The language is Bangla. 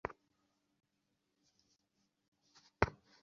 স্নান সারিয়া পুনরায় রান্নাবাড়ি চলিয়া গেল।